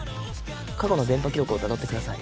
過去の電波記録をたどってください。